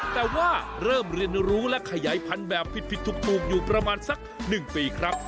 แต่ว่าเริ่มเรียนรู้และขยายพันธุ์แบบผิดถูกอยู่ประมาณสัก๑ปีครับ